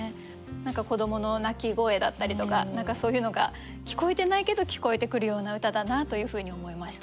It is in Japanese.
何か子どもの泣き声だったりとか何かそういうのが聞こえてないけど聞こえてくるような歌だなというふうに思いました。